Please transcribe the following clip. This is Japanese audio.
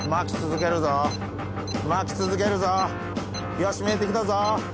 よし見えてきたぞ。